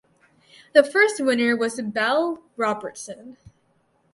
The first winner was Belle Robertson.